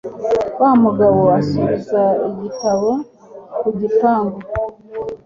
Wa mugabo asubiza igitabo ku gipangu.